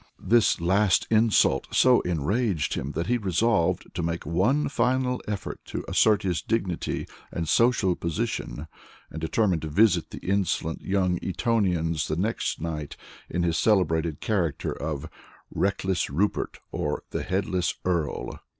This last insult so enraged him that he resolved to make one final effort to assert his dignity and social position, and determined to visit the insolent young Etonians the next night in his celebrated character of "Reckless Rupert, or the Headless Earl."